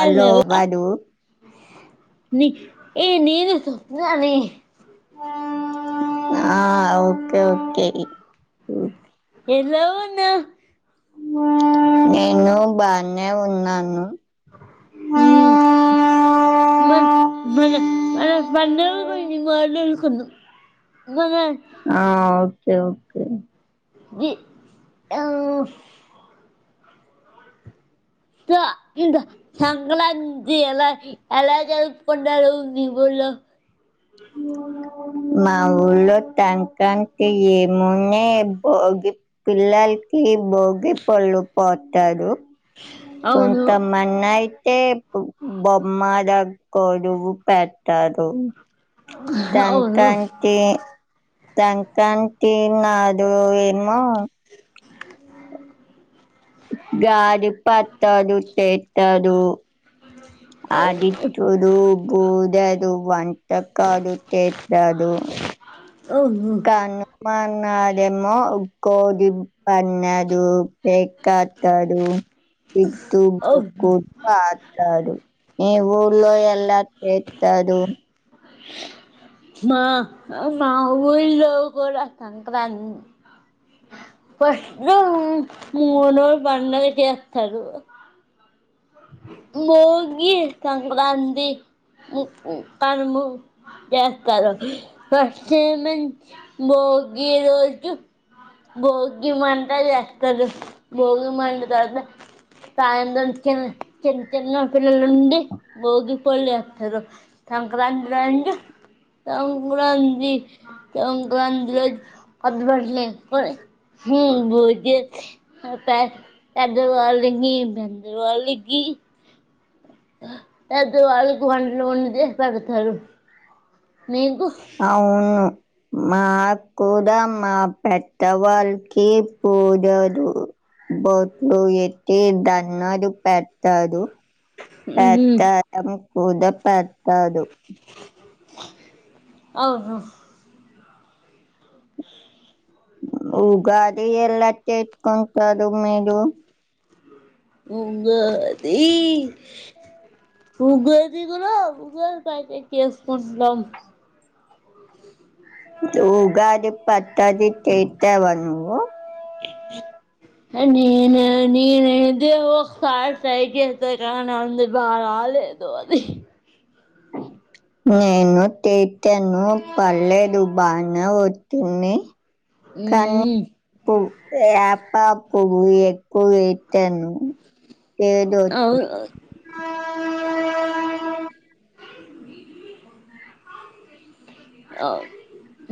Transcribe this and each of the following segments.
Hello Balu ఏయే నేనూ స్వప్న నీ ఆ ఓకే ఓకే ఎలా ఉన్నావ్ నేను బానే ఉన్నాను ఉమ్ మన్ మన మాన పండగ్ పోయి మేం మాట్లాడుకున్నాం. మాన్ ఆ ఓకే ఓకే జి యాల్ దా ఇంద సంగలాంతి ఎలా ఎలా జరుపు కొన్టారు మీ ఉల్లో మా ఊళ్ళో టంకాంత్ తీ ఈ మొన్నే భోగి పిల్లల్కి భోగి పళ్ళు పోతారు. అవును కొంతమంన్నాయిత్ తే బొమ్మల కొడువు పెట్తరు. అవును తంక్రంతి తంక్రంతి నాదు ఆ ఉ గాడి పతడు తెట్టదు. అవును ఆదిత్యడు బూదడు వంటకాదు తేతడు అవును కానప నడేమో కోదిం పన్నడు బక్కత్తడు ఇతు అవును బకు [unintelligible] కాడు ఈ ఊర్లో ఎలా తెతదు మా మా ఊరిలో కూడా సంక్రాంత్ పష్టు [unintelligible] బండగా చేత్తరు భోగి, సంక్రాంతి, కనుము చేస్తారు. ఫస్ట్ ఏమో భోగి రోజు భోగి మంట చేస్తారు. భోగి మంట తర్వాత సాయంత్రం. చిన్న చిన్న పిల్లలు నుండి భోగిపోలే వతరు. సంక్రాంతి రండ్ సంక్రాంతి సంక్రాంతి రోజ్ కొత్తబట్లేసుకొని హ్మ్ [unintelligible] బోజ పందవాలంగ [unintelligible] బెంద్రవాల గి పెద్ద వాల్గు వంటలు వండి పెడతారు మీకు అవును మాకు కూడా మా పెద్దవాళ్ళకి పూజదు బొట్లు ఎట్టి దన్నలు పెతరు. అతరామ్ ఊదప్ప అది కాదు. అహ ఉగాది ఎలా చేత్కంతారు మీరూ. ఉగాది, ఉగాది కూడా ఉగాది అయిపోయినంక చేసుకుంటున్నాం. ఉగాది పచ్చడి చేతావా నువ్వు. నేనా నేనైతే ఒకసారి ట్రై చేశా కాని అందు బా రాలేదు అది. నేను చేతాను పర్లేదు బానే వచ్చింది. కానీ మ్మ్ పాపు ఎకువ ఏతేను ఏదో అవును [inaudible]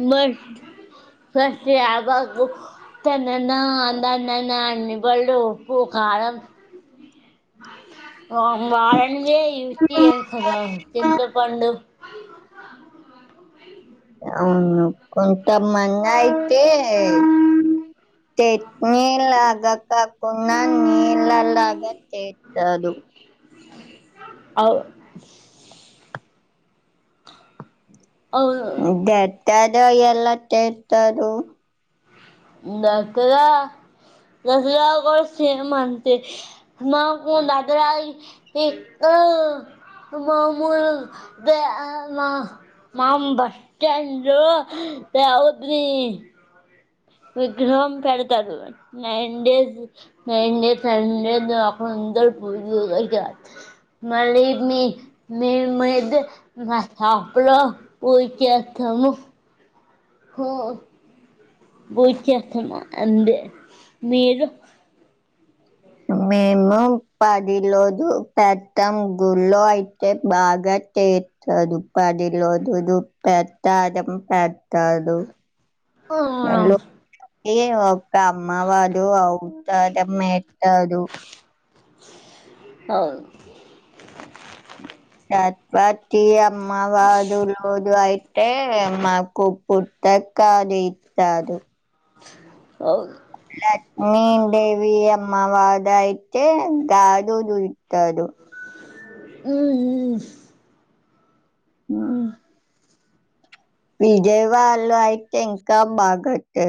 మ తెన్న నందన్న నాని ఉప్పు, కారం. వాళ్ళని ఇచ్చస్త చింత పండు. అవును కొంత మంది యితే చట్నీ లాగా కాకుండా నీళ్లలాగా చెతరూ. అవు అవును [unintelligible] ఎలా చేర్తారు. [unintelligible] విగ్రహం పెడతారు నైన్ డేస్ నైన్ [unintelligible] మీ మే మై డ్ మా షాప్లో పూజ్చేస్తము. హూ పూజ్ చేస్తము అందే మీరు. మేము పదిలోదు పెద్దాం గుళ్ళో అయితే బాగా చేచదు పదిలోదులు ప్రస్తాదం పెట్టారు. అవునవును. ఏవొ క అమ్మ వాడు అవుతాదం ఎత్తదు. అవును [unintelligible] మా వాదులు లోజూ అయి. టే మాకు పుట్టకు కాదు ఇచ్చారు. అవు లక్ష్మీ దేవి అమ్మ వాదయితే గాజులు ఇత్తదు. మ్మ్ మ్మ్. [inaudible] విజయవాడ లో అయితే ఇంకా బాగ కట్టే.